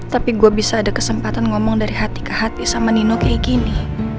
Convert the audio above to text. tapi gue bisa ada kesempatan ngomong dari hati ke hati sama nino kayak gini